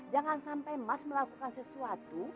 jangan sampai mas melakukan sesuatu